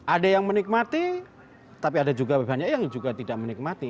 ada yang menikmati tapi ada juga banyak yang juga tidak menikmati